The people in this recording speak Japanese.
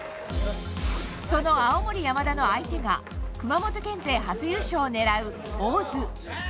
その青森山田の相手が熊本県勢初優勝を狙う大津。